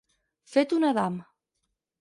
Fet un Adam.